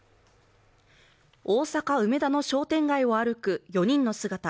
大阪・梅田の商店街を歩く４人の姿。